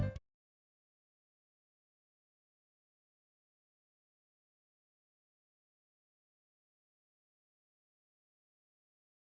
tetep semua ya